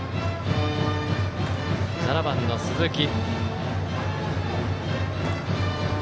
７番の鈴木。